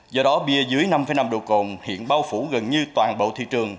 do đó bia dưới năm năm độ cồn hiện bao phủ gần như toàn bộ thị trường